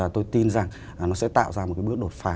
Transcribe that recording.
tôi tin rằng nó sẽ tạo ra một cái bước đột phá